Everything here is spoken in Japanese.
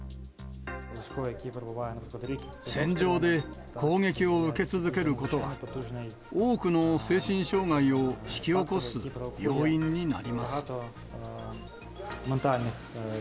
戦場で攻撃を受け続けることは、多くの精神障害を引き起こす要因になります。